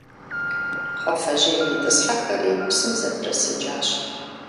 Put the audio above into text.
Кхъуафэжьейм итӏысхьэхэри псым зэпрысыкӏащ.